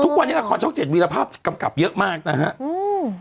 ทุกวันนี้ละครช่องเจ็ดวีรภาพกำกับเยอะมากนะฮะอืม